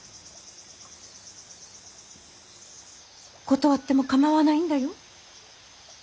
断っても構わないんだよ。